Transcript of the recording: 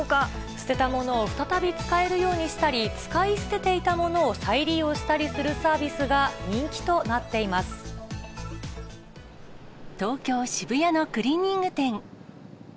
捨てたものを再び使えるようにしたり、使い捨てていたものを再利用したりするサービスが人気となってい東京・渋谷のクリーニング店。